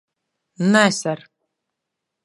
Nē, ser.